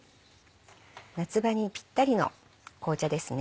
夏場にピッタリの紅茶ですね。